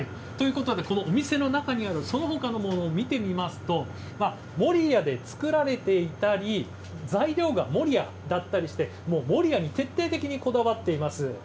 お店の中にあるそのほかのものも見てみますと、守谷で作られていたり材料が守谷だったりして守谷に徹底的にこだわっています。